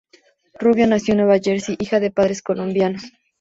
Rubio nació en Nueva Jersey, hija de padres colombianos.